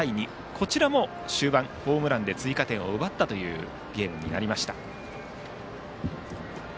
こちらも終盤ホームランで追加点を奪ったゲームになりました。